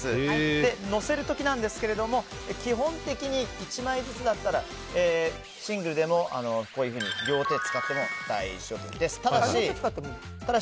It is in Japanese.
載せる時なんですけれども基本的に１枚ずつだったらシングルでも両手使っても大丈夫です。